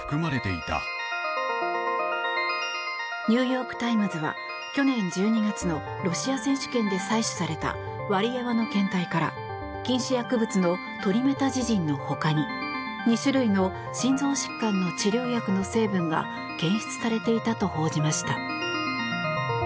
ニューヨーク・タイムズは去年１２月のロシア選手権で採取されたワリエワの検体から禁止薬物のトリメタジジンの他に２種類の心臓疾患の治療薬の成分が検出されていたと報じました。